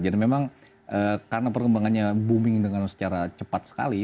jadi memang karena perkembangannya booming dengan secara cepat sekali